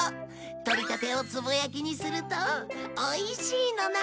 とれたてをつぼ焼きにするとおいしいのなんのって！